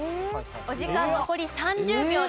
お時間残り３０秒です。